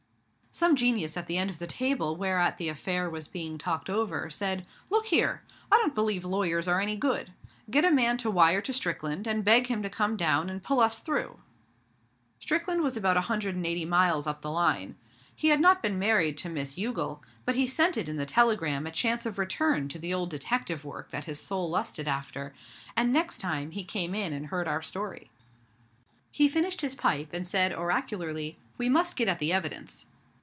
Some genius at the end of the table whereat the affair was being talked over, said, 'Look here! I don't believe lawyers are any good. Get a man to wire to Strickland, and beg him to come down and pull us through.' Strickland was about a hundred and eighty miles up the line. He had not long been married to Miss Youghal, but he scented in the telegram a chance of return to the old detective work that his soul lusted after, and next time he came in and heard our story. He finished his pipe and said oracularly, 'We must get at the evidence.